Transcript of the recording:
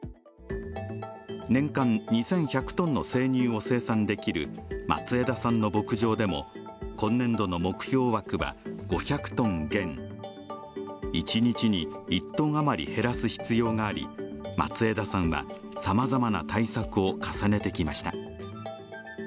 年間２１００ｔの生乳を生産できる松枝さんの牧場でも今年度の目標枠は５００ｔ減、一日に１ｔ余り減らす必要があり、松枝さんはさまざまな対策を重ねてきました。